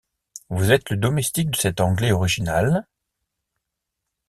Vous êtes le domestique de cet Anglais original...